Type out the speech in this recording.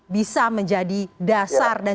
bisa menjadi dasar dan